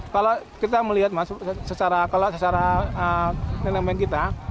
kalau kita melihat mas kalau secara nenek main kita